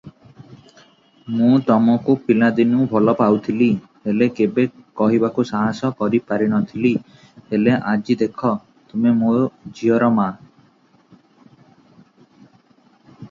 ମୁଁ ତମକୁ ପିଲାଦିନୁ ଭଲ ପାଉଥିଲି, ହେଲେ କେବେ କହିବାକୁ ସାହସ କରିପାରିନଥିଲି ହେଲେ ଦେଖ ଆଜି ତୁମେ ମୋ ଝିଅର ମା